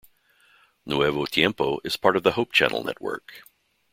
Nuevo Tiempo is part of the Hope Channel network.